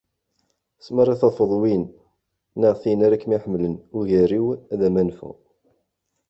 asmi ara tafeḍ win neɣ tin ara kem-iḥemmlen ugar-iw ad am-anfeɣ.